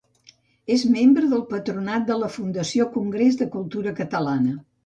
És membre del patronat de la Fundació Congrés de Cultura Catalana.